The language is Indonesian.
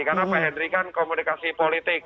karena pak henry kan komunikasi politik